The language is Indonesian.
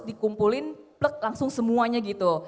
dikumpulin langsung semuanya gitu